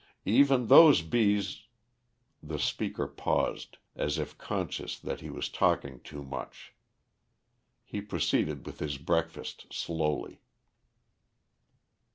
Even those bees " The speaker paused, as if conscious that he was talking too much. He proceeded with his breakfast slowly.